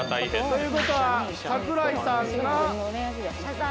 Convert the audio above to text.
ということは桜井さんが？